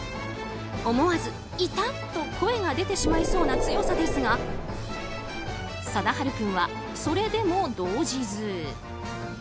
思わず、痛っ！と声が出てしまいそうな強さですが貞春君はそれでも動じず。